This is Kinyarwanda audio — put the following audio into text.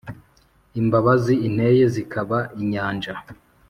Imbabazi inteye zikaba inyanja,